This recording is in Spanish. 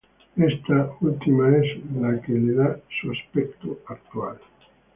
Esta última es la que le da su aspecto actual.